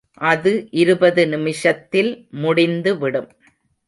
அது இருபது நிமிஷத்தில் முடிந்து விடும்.